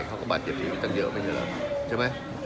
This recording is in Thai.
เขาก็บาดเจ็บชีวิตเยอะไปเยอะใช่ไหม